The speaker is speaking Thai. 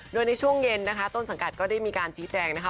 โดยในช่วงเย็นนะคะต้นสังกัดก็ได้มีการชี้แจงนะคะ